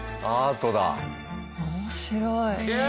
面白い。